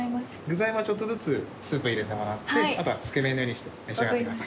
具材はちょっとずつスープ入れてもらってあとはつけ麺のようにして召し上がってください。